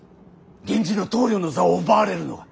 源氏の棟梁の座を奪われるのが。